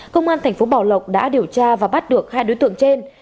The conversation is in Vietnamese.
công an thành phố bảo lộc đã điều tra và bắt được hai đối tượng trên